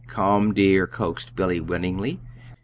"Come, dear," coaxed Billy, winningly.